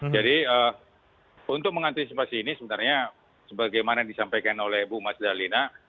jadi untuk mengantisipasi ini sebenarnya sebagaimana disampaikan oleh bu mas lina